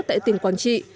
tại tỉnh quản trị